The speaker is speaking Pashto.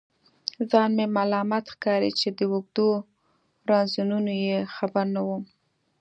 ځان مې ملامت ښکاري چې د اوږدو رنځونو یې خبر نه وم.